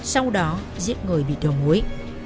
sau đó giết người bị đổ mối